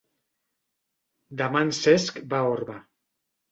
Demà en Cesc va a Orba.